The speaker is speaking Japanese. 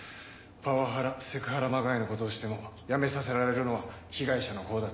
パワハラセクハラまがいの事をしても辞めさせられるのは被害者のほうだったり。